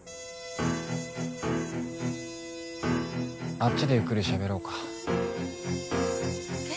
あっちでゆっくりしゃべろうか。え？